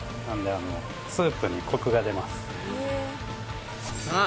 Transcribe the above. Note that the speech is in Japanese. あのスープにコクが出ますさあ